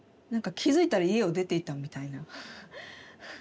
何か気付いたら家を出ていたみたいな。